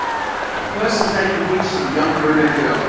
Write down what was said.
A person taking pictures of a young brunette girl.